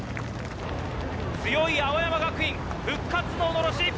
強い青山学院、復活ののろし。